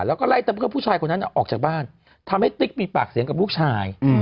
แล้วก็ไล่ตามเพื่อนผู้ชายคนนั้นออกจากบ้านทำให้ติ๊กมีปากเสียงกับลูกชาย